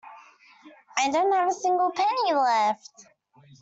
I don't have a single penny left.